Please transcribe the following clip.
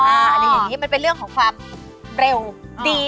อะไรอย่างนี้มันเป็นเรื่องของความเร็วดี